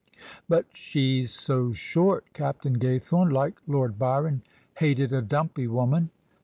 "But she's so short" Captain Gaythome, like Lord Byron, hated a dumpy woman.